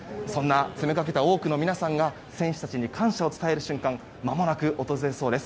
詰めかけた多くの皆さんが選手たちに感謝を伝える瞬間がまもなく訪れそうです。